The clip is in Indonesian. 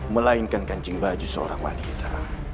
melainkan kancing baju seorang wanita